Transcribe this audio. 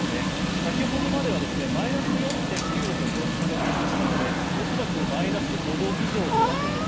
先ほどまではマイナス４．９度と表示されていましたので恐らくマイナス５度以上となっています。